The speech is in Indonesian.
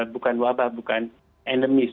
bukan wabah bukan endemis